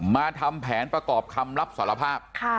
มาทำแผนประกอบคำรับสารภาพ